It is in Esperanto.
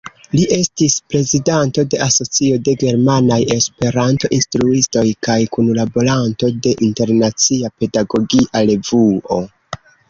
Li estis prezidanto de Asocio de Germanaj Esperanto-Instruistoj kaj kunlaboranto de "Internacia Pedagogia Revuo.